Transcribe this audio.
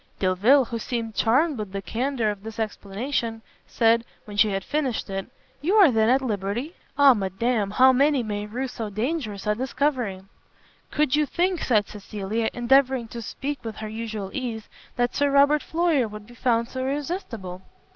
Delvile, who seemed charmed with the candour of this explanation, said, when she had finished it, "You are then at liberty? Ah madam! how many may rue so dangerous a discovery!" "Could you think," said Cecilia, endeavouring to speak with her usual ease, "that Sir Robert Floyer would be found so irresistible?"